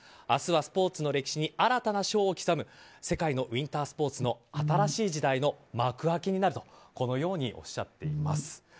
明日はスポーツの歴史に新たな章を刻む世界のウィンタースポーツの新しい時代の幕開けになるとこのようにおっしゃっています。